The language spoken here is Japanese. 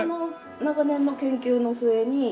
長年の研究の末に。